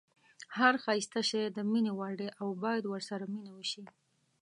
هر ښایسته شی د مینې وړ دی او باید ورسره مینه وشي.